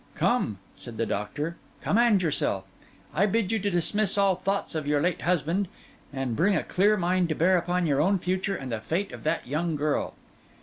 'Come,' said the doctor, 'command yourself. I bid you dismiss all thoughts of your late husband, and bring a clear mind to bear upon your own future and the fate of that young girl.